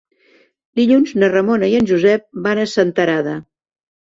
Dilluns na Ramona i en Josep van a Senterada.